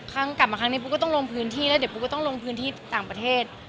ครั้งกลับมาครั้งนี้ปุ๊กก็ต้องลงพื้นที่แล้วเดี๋ยวปูก็ต้องลงพื้นที่ต่างประเทศ